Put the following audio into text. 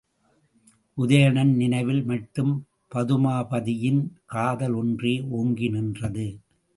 உதயணன் நினைவில் மட்டும் பதுமாபதியின் காதல் ஒன்றே ஓங்கி நின்றது.